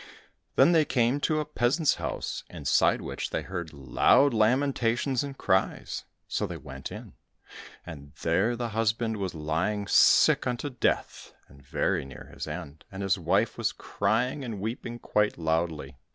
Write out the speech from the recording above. Then they came to a peasant's house inside which they heard loud lamentations and cries; so they went in, and there the husband was lying sick unto death, and very near his end, and his wife was crying and weeping quite loudly.